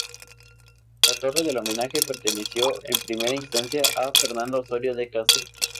La Torre del Homenaje perteneció en primera instancia a Fernando Osorio de Castro.